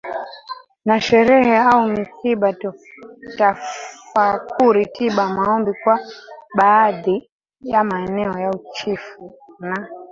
na sherehe au misiba tafakuri tiba maombi kwa baadhi ya maeneo ya Uchifu na